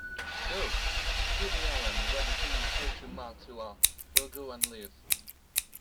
Go, see the island where King Hotu Matu'a will go and live!